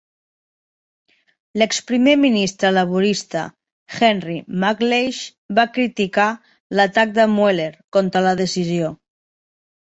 L'exprimer ministre laborista Henry McLeish va criticar l'atac de Mueller contra la decisió.